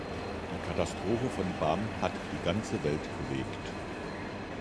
Die Katastrophe von Bam hat die ganze Welt bewegt.